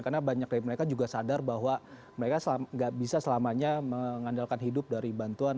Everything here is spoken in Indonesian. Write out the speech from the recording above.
karena banyak dari mereka juga sadar bahwa mereka tidak bisa selamanya mengandalkan hidup dari bantuan